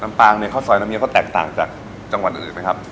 ลำปางข้าวซอยน้ำเงี้ยวเขาแตกต่างจากจังหวัดอื่นนะครับ